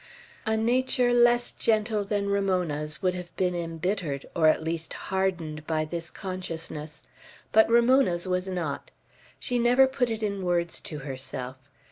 A nature less gentle than Ramona's would have been embittered, or at least hardened, by this consciousness. But Ramona's was not. She never put it in words to herself.